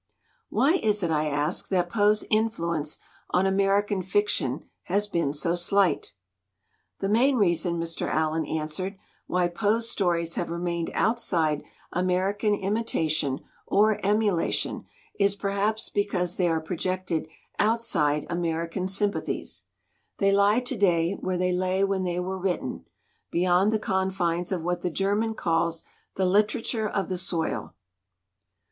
"Why is it," I asked, "that Poe's influence on American fiction has been so slight?" "The main reason," Mr. Allen answered, "why 92 DETERIORATION Poe's stories have remained outside American imitation or emulation is perhaps because they are projected outside American sympathies. They lie to day where they lay when they were written beyond the confines of what the German calls the literature of the soil.